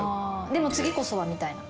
でも次こそはみたいな。